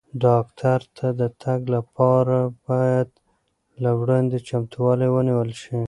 ډاکټر ته د تګ لپاره باید له وړاندې چمتووالی ونیول شي.